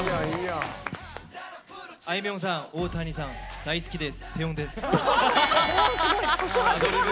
あいみょんさん大谷さん大好きです、テヨンです。